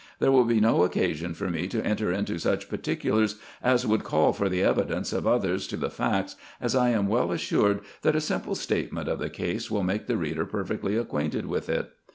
There will be no occasion for me to enter into such particulars as would call for the evidence of others to the facts, as I am well assured, that a simple statement of the case will make the reader perfectly acquainted with it.